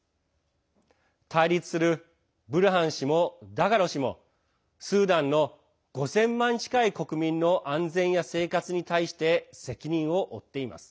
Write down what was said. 対立するブルハン氏もダガロ氏もスーダンの５０００万近い国民の安全や生活に対して責任を負っています。